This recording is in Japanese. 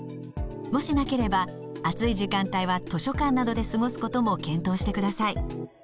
もしなければ暑い時間帯は図書館などで過ごすことも検討してください。